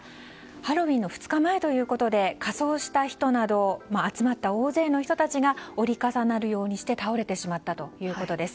ハロウィーン２日前ということで仮装した人など集まった大勢の人たちが折り重なるようにして倒れてしまったということです。